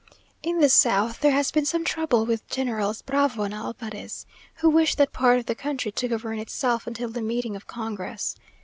In the south there has been some trouble with Generals Bravo and Alvarez, who wish that part of the country to govern itself until the meeting of congress.